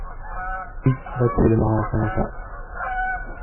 Oui, répondit le marin en s'avançant.